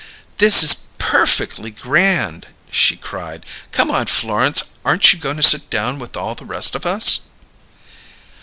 "This is per feckly grand!" she cried. "Come on, Florence, aren't you going to sit down with all the rest of us?"